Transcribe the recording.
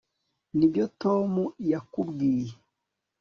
nibyo tom yakubwiye